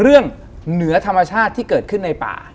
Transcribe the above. เหนือธรรมชาติที่เกิดขึ้นในป่า